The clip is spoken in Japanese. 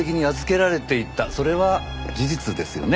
それは事実ですよね？